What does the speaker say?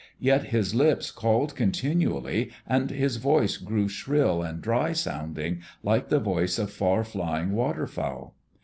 Yet his lips called continually and his voice grew shrill and dry sounding, like the voice of far flying water fowl.